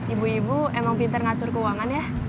ibu ibu emang pinter ngatur keuangan ya